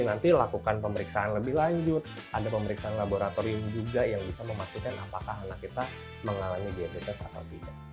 nanti lakukan pemeriksaan lebih lanjut ada pemeriksaan laboratorium juga yang bisa memastikan apakah anak kita mengalami diabetes atau tidak